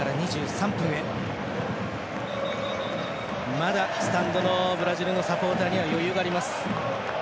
まだスタンドのブラジルのサポーターには余裕があります。